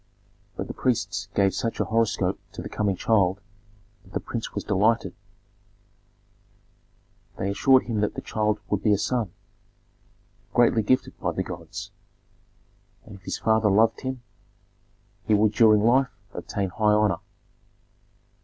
But the priests gave such a horoscope to the coming child that the prince was delighted. They assured him that the child would be a son, greatly gifted by the gods, and if his father loved him he would during life obtain high honor.